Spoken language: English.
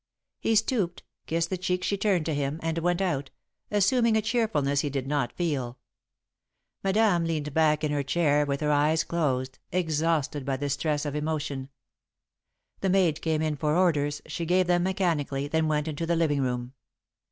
He stooped, kissed the cheek she turned to him, and went out, assuming a cheerfulness he did not feel. Madame leaned back in her chair with her eyes closed, exhausted by the stress of emotion. The maid came in for orders, she gave them mechanically, then went into the living room.